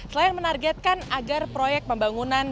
selain menargetkan agar proyek pembangunan